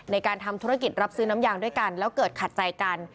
ในการทำธุรกิจรับซื้อน้ำยางด้วยกันแล้วเกิดขัดใจกัน